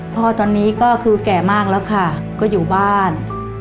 พ่อตอนนี้ก็คือแก่มากแล้วค่ะก็อยู่บ้าน